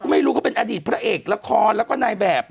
ไม่รู้เขาเป็นอดีตพระเอกละครแล้วก็นายแบบ